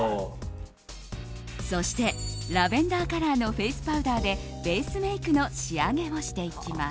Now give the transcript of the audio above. そして、ラベンダーカラーのフェイスパウダーでベースメイクの仕上げをしていきます。